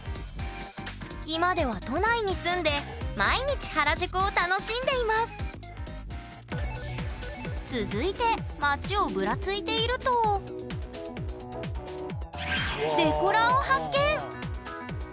今では都内に住んで毎日原宿を楽しんでいます続いて街をブラついているとデコラーを発見！